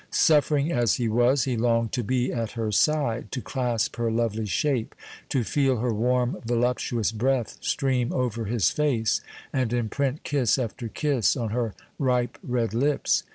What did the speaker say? Suffering as he was, he longed to be at her side, to clasp her lovely shape, to feel her warm, voluptuous breath stream over his face and imprint kiss after kiss on her ripe red lips.